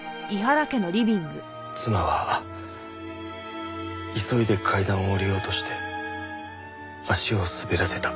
妻は急いで階段を下りようとして足を滑らせた。